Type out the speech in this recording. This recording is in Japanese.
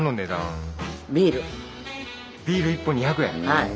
はい。